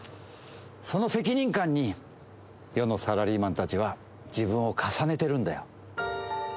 その責任感に、世のサラリーマンたちは自分を重ねてるんだよ。